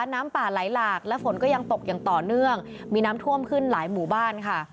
น้ำป่าไหลหลากและฝนก็ยังตกอย่างต่อเนื่องมีน้ำท่วมขึ้นหลายหมู่บ้านค่ะ